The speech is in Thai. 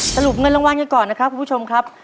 สรุปเงินรางวัลกันก่อนนะครับคุณผู้ชมครับ